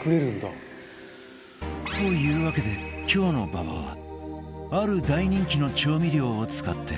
というわけで今日の馬場はある大人気の調味料を使って